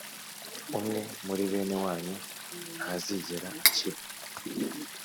umwe muri bene wanyu ntazigera akira